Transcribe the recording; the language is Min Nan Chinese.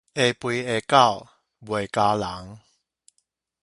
會吠的狗，袂咬人